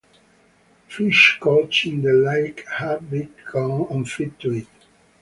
Fish caught in the lake have become unfit to eat.